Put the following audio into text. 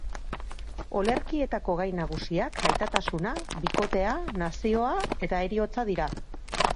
Olerkietako gai nagusiak aitatasuna, bikotea, nazioa eta heriotza dira.